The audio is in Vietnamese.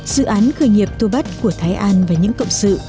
dự án khởi nghiệp tô bắt của thái an và những cộng sự